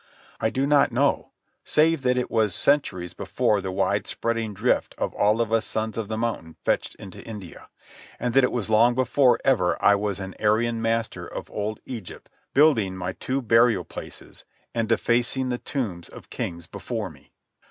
I do not know, save that it was centuries before the wide spreading drift of all us Sons of the Mountain fetched into India, and that it was long before ever I was an Aryan master in Old Egypt building my two burial places and defacing the tombs of kings before me.